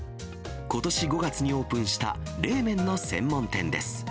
ことし５月にオープンした、冷麺の専門店です。